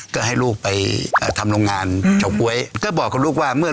ก็ให้ลูกไปเอ่อทำโรงงานเฉาก๊วยก็บอกกับลูกว่าเมื่อ